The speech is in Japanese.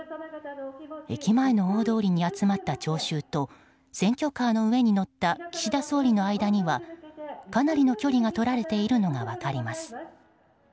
駅前の大通りに集まった聴衆と選挙カーの上に乗った岸田総理の間にはかなりの距離がとられているのが分かります。